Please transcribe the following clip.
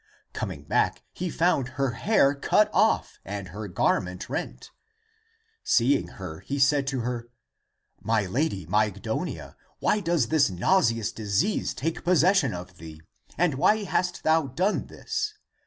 Coming back, he found her hair cut off and her garment rent. Seeing her, he said to her, " My lady Mygdonia, why does this nauseous disease take possession of thee? And why hast thou done this?